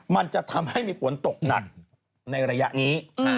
มันจะทำให้มีฝนตกหนักในระยะนี้